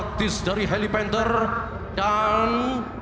vertaktis dari helipenter dan